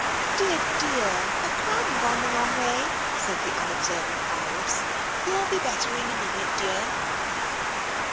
" Dear, dear — a crumb gone the wrong way ?" said the unobservant Iris. " You'll be better in a minute, dear."